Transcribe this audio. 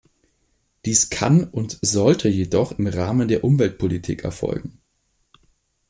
Dies kann und sollte jedoch im Rahmen der Umweltpolitik erfolgen.